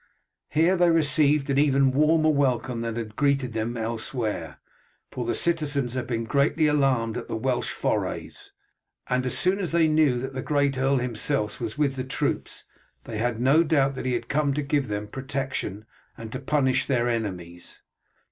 Here they received an even warmer welcome than had greeted them elsewhere, for the citizens had been greatly alarmed at the Welsh forays, and as soon as they knew that the great earl himself was with the troops they had no doubt that he had come to give them protection and to punish their enemies.